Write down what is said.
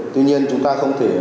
tuy nhiên chúng ta không thể